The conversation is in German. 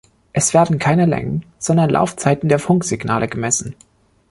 Es werden keine Längen, sondern Laufzeiten der Funksignale gemessen.